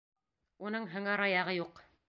Уның һыңар аяғы юҡ.